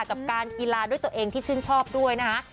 กับการกีฬาด้วยตัวเองที่ชื่นชอบด้วยนะฮะ